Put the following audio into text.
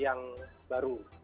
enam yang baru